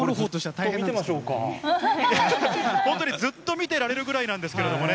軽々届いているんでね、本当にずっと見てられるぐらいなんですけどね。